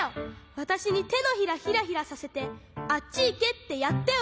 わたしにてのひらヒラヒラさせてあっちいけってやったよ